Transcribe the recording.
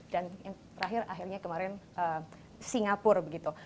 dan yang terakhir akhirnya kemarin singapura